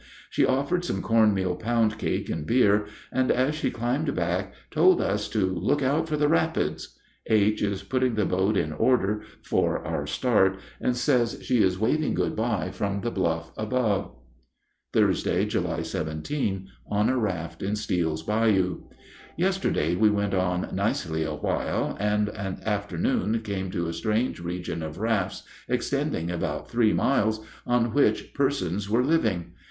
She offered some corn meal pound cake and beer, and as she climbed back told us to "look out for the rapids." H. is putting the boat in order for our start, and says she is waving good by from the bluff above. Thursday, July 17. (On a raft in Steele's Bayou.) Yesterday we went on nicely awhile, and at afternoon came to a strange region of rafts, extending about three miles, on which persons were living.